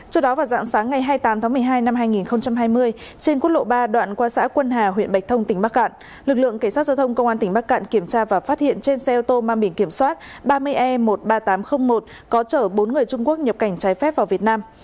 trước đó vào dạng sáng ngày hai mươi tám tháng một mươi hai năm hai nghìn hai mươi trên quốc lộ ba đoạn qua xã quân hà huyện bạch thông tỉnh bắc cạn lực lượng cảnh sát giao thông công an tỉnh bắc cạn kiểm tra và phát hiện trên xe ô tô mang biển kiểm soát ba mươi e một mươi ba nghìn tám trăm linh một có chở bốn người trung quốc nhập cảnh trái phép vào việt nam